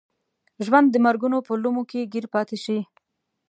ژوند د مرګونو په لومو کې ګیر پاتې شي.